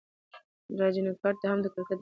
راجنیکانټ هم د کرکټ د پاره مشهوره لوبغاړی و.